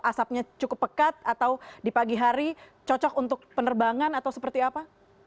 asapnya cukup pekat atau di pagi hari cocok untuk penerbangan atau seperti apa